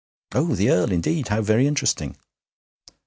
'Oh, the Earl! Indeed; how very interesting.'